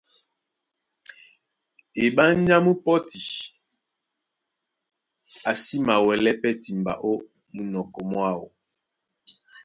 Eɓánjá mú pɔ́ti, a sí mawɛlɛ́ pɛ́ timba ó munɔkɔ mwáō,